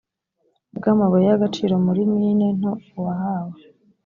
bw amabuye y agaciro muri mine nto uwahawe